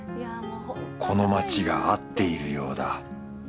この町が合っているようだ